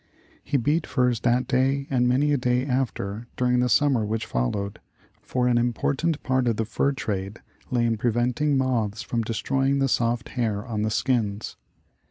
He beat furs that day and many a day after, during the summer which followed, for an important part of the fur trade lay in preventing moths from destroying the soft hair on the skins.